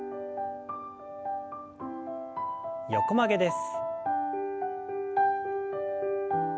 横曲げです。